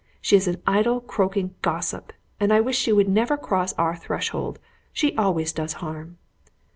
She is an idle, croaking gossip, and I wish she would never cross our threshold. She always does harm."